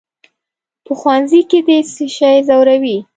"په ښوونځي کې دې څه شی ځوروي؟"